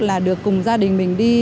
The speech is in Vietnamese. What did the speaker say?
là được cùng gia đình mình đi